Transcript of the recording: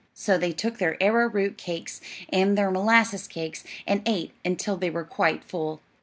So they took their arrowroot cakes, and their molasses cakes, and ate until they were quite full.